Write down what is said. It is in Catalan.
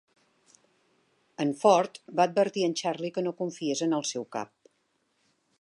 En Fort va advertir en Charley que no confiés en el seu cap.